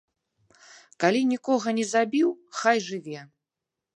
Калі нікога не забіў, хай жыве.